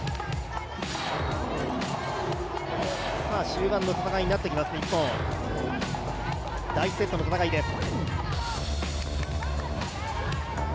終盤の戦いになってきます、日本、第１セットの戦いです。